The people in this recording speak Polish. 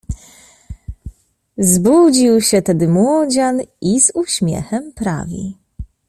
Zbudził się tedy młodzian i z uśmiechem prawi: